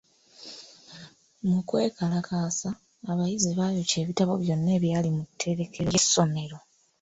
Mu kwekalakaasa, abayizi baayokya ebitabo byonna ebyali mu tterekero ly'essomero.